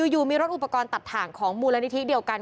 อยู่มีรถอุปกรณ์ตัดถ่างของมูลนิธิเดียวกัน